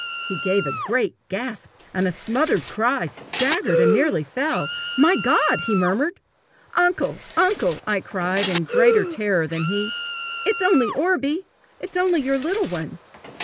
He gave a great gasp and a smothered cry, staggered, and nearly fell. "My God!" he murmured. "Uncle! uncle!" I cried, in greater terror than he; "it's only Orbie! It's only your little one!"